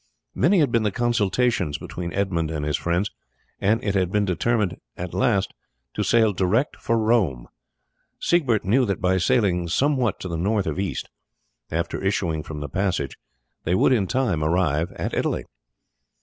Many had been the consultations between Edmund and his friends, and it had been determined at last to sail direct for Rome. Siegbert knew that by sailing somewhat to the north of east, after issuing from the passage, they would in time arrive at Italy.